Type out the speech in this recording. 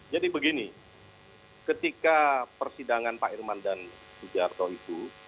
jadi begini ketika persidangan pak irman dan sugiharto itu